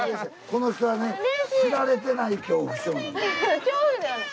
この人はね知られてない恐怖症なの。